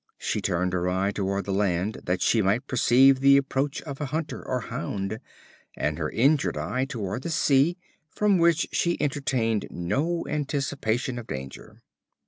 She turned her eye towards the land, that she might perceive the approach of a hunter or hound, and her injured eye towards the sea, from which she entertained no anticipation of danger.